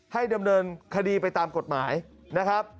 ให้ดำเนินคดีไปตามกฎหมายนะครับ